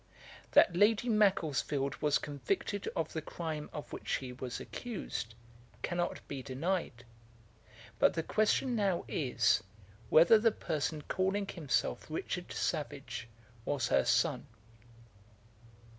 ] That Lady Macclesfield was convicted of the crime of which she was accused, cannot be denied; but the question now is, whether the person calling himself Richard Savage was her son.